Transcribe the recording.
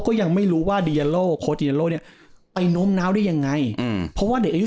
ก็ยังไม่รู้ว่าดีแยโรกลอนแบบนมน้าวได้ยังไงอืมเพราะว่าเด็กอายุ๑๔